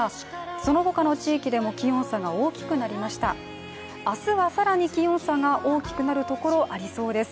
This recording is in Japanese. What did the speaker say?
そのほかの地域でも気温差が大きくなりました明日は更に気温差が大きくなるところ、ありそうです。